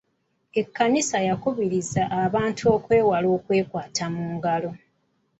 Ekkanisa yakubirizza abantu okwewala okwekwata mu ngalo.